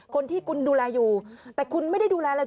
คนที่คุณดูแลอยู่แต่คุณไม่ได้ดูแลอะไร